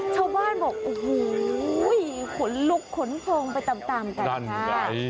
เฉาบ้านบอกโอ้โหขนลุกขนพงไปตามแต่ละค่ะ